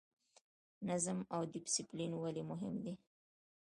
نظم او ډیسپلین ولې مهم دي؟